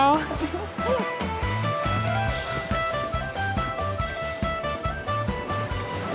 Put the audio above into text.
ค้ะ